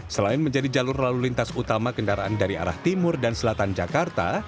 selain menjadi jalur lalu lintas utama kendaraan dari arah timur dan selatan jakarta